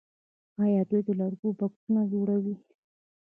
آیا دوی د لرګیو بکسونه نه جوړوي؟